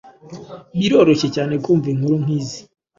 biroroshye cyane kumva inkuru nk'izi